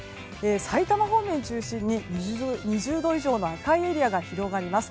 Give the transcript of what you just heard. さいたま方面中心に２０度以上の赤いエリアが広がります。